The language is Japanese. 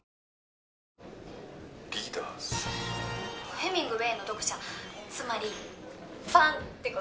「ヘミングウェイの読者つまりファンって事」